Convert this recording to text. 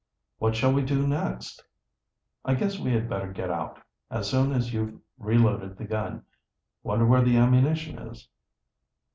"What shall we do next?" "I guess we had better get out as soon as you've reloaded the gun. Wonder where the ammunition is?"